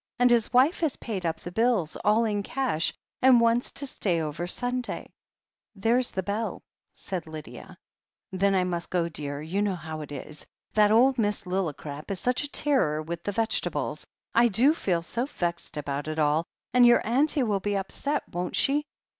And his wife has paid up the bills, all in cash, and wants to stay over Sun day." "There's the beU," said Lydia. "Then I must go, dear — ^you know how it is. That old Miss Lillicrap is such a' terror with the vegetables. I do feel so vexed about it all — ^and your auntie will be upset, won't she